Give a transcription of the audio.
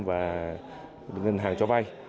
và ngân hàng cho vay